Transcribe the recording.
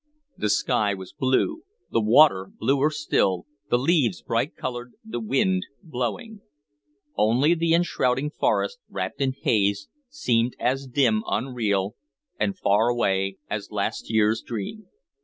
The sky was blue, the water bluer still, the leaves bright colored, the wind blowing; only the enshrouding forest, wrapped in haze, seemed as dim, unreal, and far away as a last year's dream.